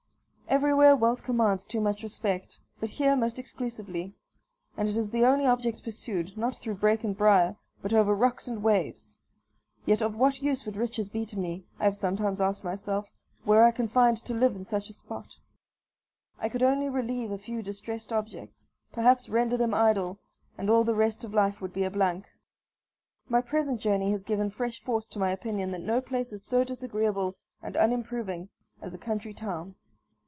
Everywhere wealth commands too much respect, but here almost exclusively; and it is the only object pursued, not through brake and briar, but over rocks and waves; yet of what use would riches be to me, I have sometimes asked myself, were I confined to live in such in a spot? I could only relieve a few distressed objects, perhaps render them idle, and all the rest of life would be a blank. My present journey has given fresh force to my opinion that no place is so disagreeable and unimproving as a country town.